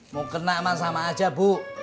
mau kena aman sama aja bu